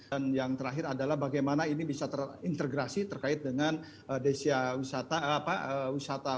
dan yang terakhir adalah bagaimana ini bisa terintegrasi terkait dengan desia wisatawan